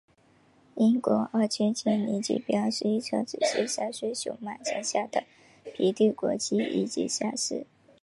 英国二千坚尼锦标是一场只限三岁雄马参赛的平地国际一级赛事。